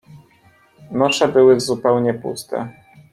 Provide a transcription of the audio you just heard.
Nosze były zupełnie puste.